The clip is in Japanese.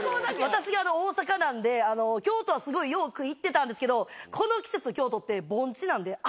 私が大阪なんで京都はすごいよく行ってたんですけどこの季節の京都って。